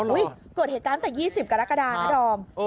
อุ๊ยเกิดเหตุการณ์แต่๒๐กรกฎานะดอม